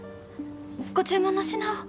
ご注文の品を。